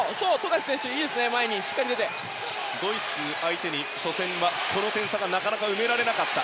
ドイツ相手に初戦はこの点差がなかなか埋められなかった。